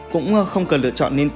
cũng không cần lựa chọn nên